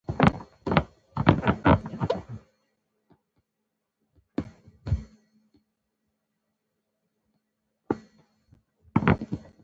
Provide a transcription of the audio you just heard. د کوچني اختر مبارکي درې ورځې وي.